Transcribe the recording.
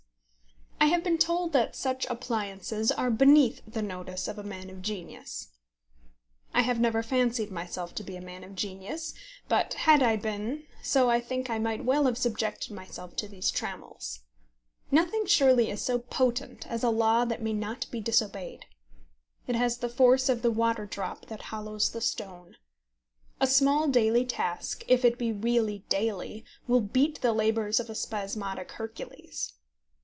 I have been told that such appliances are beneath the notice of a man of genius. I have never fancied myself to be a man of genius, but had I been so I think I might well have subjected myself to these trammels. Nothing surely is so potent as a law that may not be disobeyed. It has the force of the water drop that hollows the stone. A small daily task, if it be really daily, will beat the labours of a spasmodic Hercules.